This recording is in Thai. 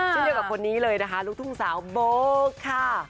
เช่นเดียวกับคนนี้เลยนะคะลูกทุ่งสาวโบ๊คค่ะ